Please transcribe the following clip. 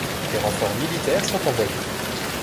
Des renforts militaires sont envoyés.